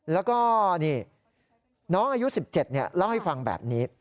แล้วก็นี่น้องอายุ๑๗เล่าให้ฟังแบบนี้